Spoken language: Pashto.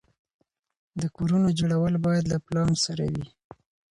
د کورونو جوړول باید له پلان سره وي.